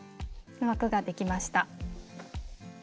枠ができました。